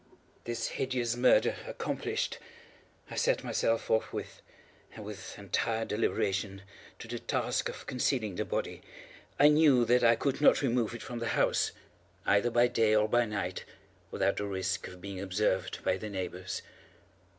This hideous murder accomplished, I set myself forthwith, and with entire deliberation, to the task of concealing the body. I knew that I could not remove it from the house, either by day or by night, without the risk of being observed by the neighbors.